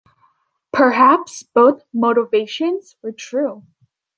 Perhaps both motivations were true.